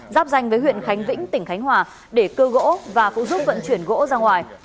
giáp danh với huyện khánh vĩnh tỉnh khánh hòa để cưa gỗ và cũng giúp vận chuyển gỗ ra ngoài